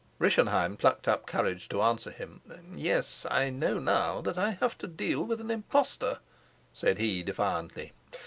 Rischenheim plucked up courage to answer him. "Yes, I know now that I have to deal with an impostor," said he defiantly.